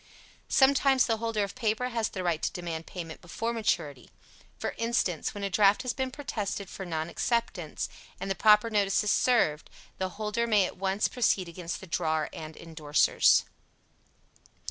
Sometimes the holder of paper has the right to demand payment before maturity; for instance, when a draft has been protested for non acceptance and the proper notices served, the holder may at once proceed against the drawer and indorsers.